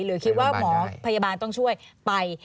หรือคิดว่าหมอพยาบาลต้องช่วยไป